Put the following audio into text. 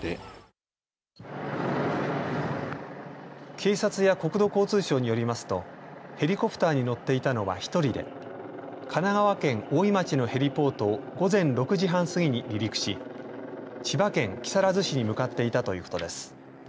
警察や国土交通省によりますとヘリコプターに乗っていたのは１人で神奈川県大井町のヘリポートを午前６時半過ぎに離陸し千葉県木更津市に向かっていたということです。